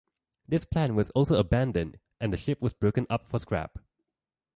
This plan was also abandoned, and the ship was broken up for scrap.